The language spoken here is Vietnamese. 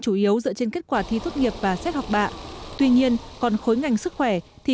chủ yếu dựa trên kết quả thi tốt nghiệp và xét học bạ tuy nhiên còn khối ngành sức khỏe thì